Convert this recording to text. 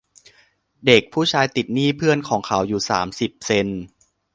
เด็กผู้ชายติดหนี้เพื่อนของเขาอยู่สามสิบเซ็นต์